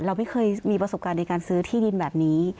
เราไม่เคยมีประสบการณ์ในการซื้อที่ดินแบบนี้